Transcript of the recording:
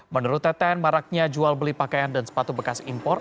menurut teten maraknya jual beli pakaian dan sepatu bekas impor